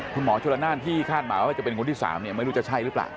คุณหมอชนละนานที่คาดหมายว่าจะเป็นคนที่๓เนี่ยไม่รู้จะใช่หรือเปล่า